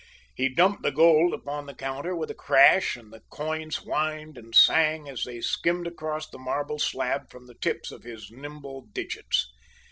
He dumped the gold upon the counter with a crash, and the coins whined and sang as they skimmed across the marble slab from the tips of his nimble digits.